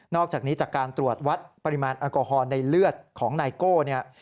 อกจากนี้จากการตรวจวัดปริมาณแอลกอฮอล์ในเลือดของไนโก้เนี่ย